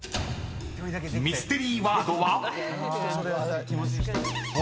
［ミステリーワードは］